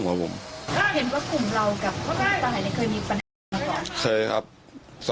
เห็นว่ากลุ่มเรากับผู้ตายเคยมีปัญหามาก่อน